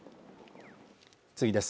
次です